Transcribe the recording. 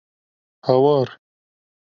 Hawar!